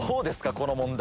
この問題。